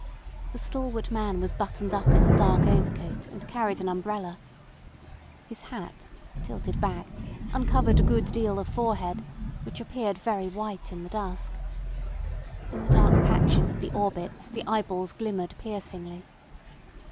The stalwart man was buttoned up in a dark overcoat, and carried an umbrella. His hat, tilted back, uncovered a good deal of forehead, which appeared very white in the dusk. In the dark patches of the orbits the eyeballs glimmered piercingly.